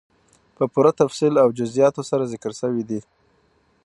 په پوره تفصيل او جزئياتو سره ذکر سوي دي،